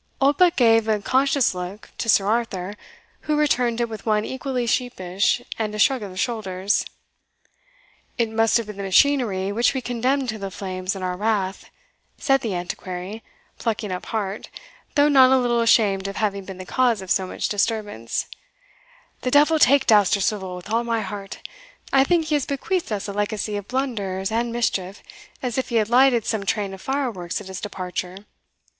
Oldbuck gave a conscious look to Sir Arthur, who returned it with one equally sheepish, and a shrug of the shoulders. "It must have been the machinery which we condemned to the flames in our wrath," said the Antiquary, plucking up heart, though not a little ashamed of having been the cause of so much disturbance "The devil take Dousterswivel with all my heart! I think he has bequeathed us a legacy of blunders and mischief, as if he had lighted some train of fireworks at his departure.